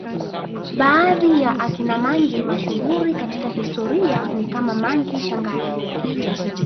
Baadhi ya akina mangi mashuhuri katika historia ni kama Mangi Shangali